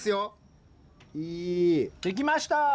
できました！